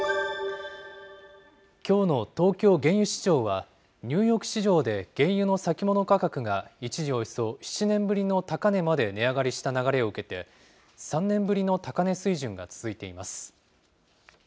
きょうの東京原油市場は、ニューヨーク市場で原油の先物価格が、一時およそ７年ぶりの高値まで値上がりした流れを受けて、３年ぶりの高値水準が続いています。